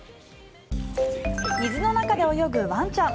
水の中で泳ぐワンちゃん。